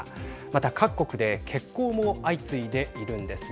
また、各国で欠航も相次いでいるんです。